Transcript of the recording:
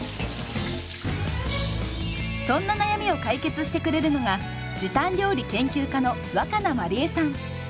そんな悩みを解決してくれるのが時短料理研究家の若菜まりえさん。